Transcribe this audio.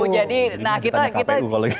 jadi nah kita